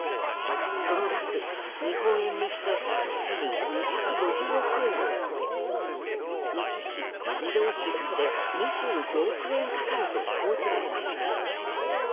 その額、日本円にして実に２５０億円を超え維持費、移動費だけで２５億円かかると報じられました。